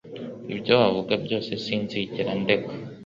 Ibyo wavuga byose sinzigera ndeka